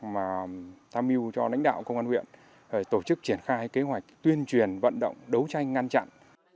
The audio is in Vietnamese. mà tham mưu cho lãnh đạo công an huyện tổ chức triển khai kế hoạch tuyên truyền vận động đấu tranh ngăn chặn